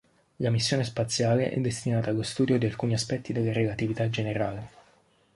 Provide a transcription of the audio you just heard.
La missione spaziale è destinata allo studio di alcuni aspetti della relatività generale.